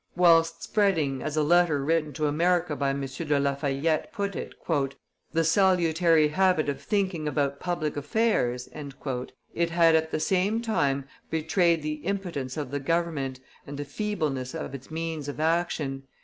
Whilst spreading, as a letter written to America by M. de La Fayette put it, "the salutary habit of thinking about public affairs," it had at the same time betrayed the impotence of the government, and the feebleness of its means of action.